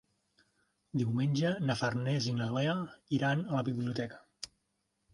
Diumenge na Farners i na Lea iran a la biblioteca.